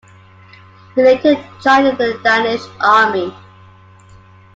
He later joined the Danish army.